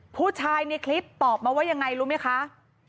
ผู้ชายในคลิปตอบมาว่ายังไงรู้ไหมคะ